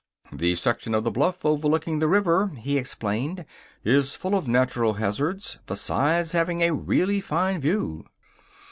"The section of the bluff overlooking the river," he explained, "is full of natural hazards, besides having a really fine view."